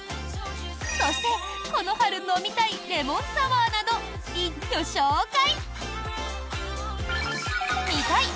そして、この春飲みたいレモンサワーなど一挙紹介！